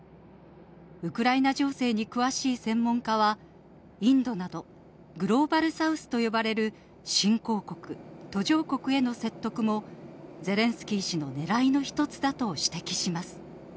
ウクライナ情勢に詳しい専門家は、インドなどグローバルサウスと呼ばれる新興国・途上国への説得も、ゼレンスキー氏のねらいの一つだと指摘します。